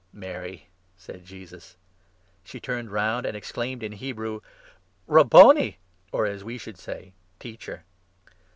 " Mary !" said Jesus. 16 She turned round, and exclaimed in Hebrew :" Rabboni !" (or, as we should say, ' Teacher